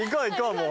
もう。